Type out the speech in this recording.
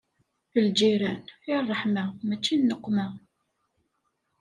Lǧiran, i ṛṛeḥma mačči i nneqma.